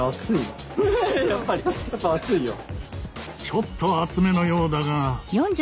ちょっと熱めのようだが。